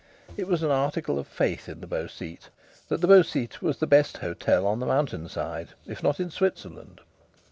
It was an article of faith in the Beau Site that the Beau Site was the best hotel on the mountain side, if not in Switzerland.